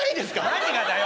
何がだよ！